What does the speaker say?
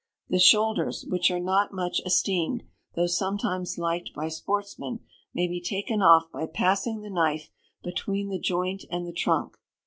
The shoulders, which are not much esteemed, though sometimes liked by sportsmen, may be taken off by passing the knife between the joint and the trunk.